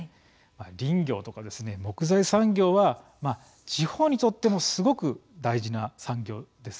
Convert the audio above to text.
林業とか木材産業は地方にとってもすごく大事な産業です。